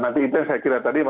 nanti itu yang saya kira tadi